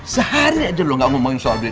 sehari aja lo gak ngomongin soal duit